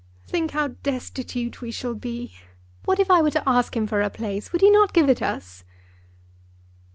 Think how destitute we shall be! What if I were to ask him for a place! Would he not give it us?"